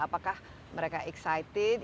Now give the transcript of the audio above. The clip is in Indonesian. apakah mereka excited